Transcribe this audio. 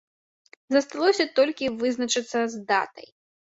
Засталося толькі вызначыцца з датай.